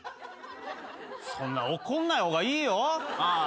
そんな怒んない方がいいよ。